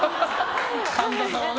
神田さんはね。